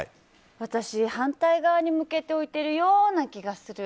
反対側に置いているような気がする。